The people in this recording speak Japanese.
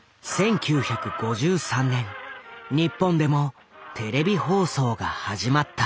１９５３年日本でもテレビ放送が始まった。